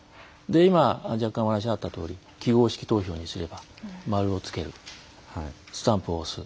今若干お話があったとおり記号式投票にすれば丸をつけるスタンプを押す。